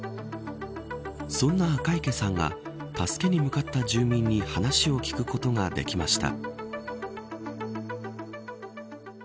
そんな赤池さんが助けに向かった住民に話を聞くことができました。